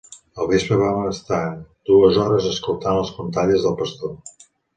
Al vespre vam estar dues hores escoltant les contalles del pastor.